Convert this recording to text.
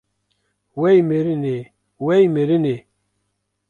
Wey mirinê, wey mirinê